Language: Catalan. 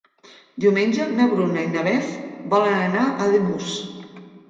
Diumenge na Bruna i na Beth volen anar a Ademús.